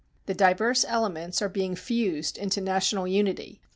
The diverse elements are being fused into national unity.